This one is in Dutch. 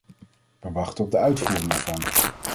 We wachten op de uitvoering ervan.